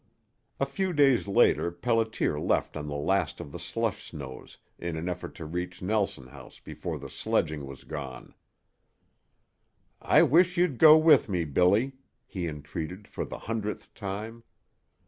A few days later Pelliter left on the last of the slush snows in an effort to reach Nelson House before the sledging was gone. "I wish you'd go with me, Billy," he entreated for the hundredth time.